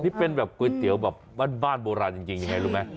นี่เป็นแบบก๋วยเตี๋ยวแบบบ้านโบราณจริงยังไงรู้ไหม